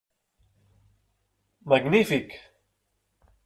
Magnífic!